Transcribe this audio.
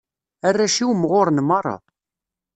Arrac-iw mɣuren merra.